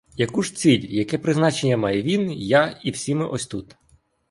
Яку ж ціль, яке призначення має він, я і всі ми ось тут?